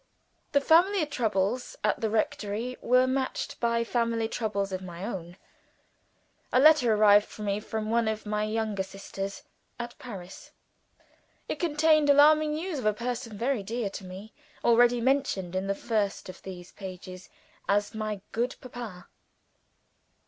The family troubles at the rectory were matched by family troubles of my own. A letter arrived for me from one of my younger sisters at Paris. It contained alarming news of a person very dear to me already mentioned in the first of these pages as my good Papa.